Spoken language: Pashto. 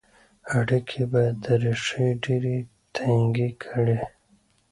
اړیکي به ریښې ډیري ټینګي کړي.